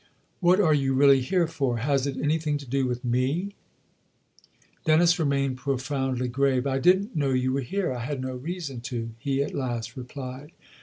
" What are you really here for ? Has it anything to do with me ?" Dennis remained profoundly grave. " I didn't know you were here I had no reason to," he at last replied.